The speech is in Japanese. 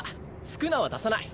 宿儺は出さない。